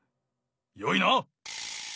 よいな！